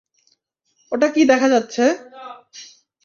ওটা কী দেখা যাচ্ছে?